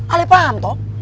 ale paham toh